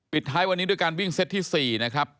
ท้ายวันนี้ด้วยการวิ่งเซตที่๔นะครับ